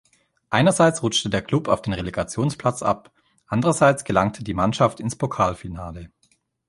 Einerseits rutschte der Klub auf den Relegationsplatz ab, andererseits gelangte die Mannschaft ins Pokalfinale.